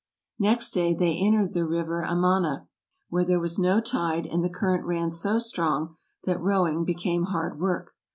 Next day they entered the river Amana, where there was no tide and the current ran so strong that rowing became hard work.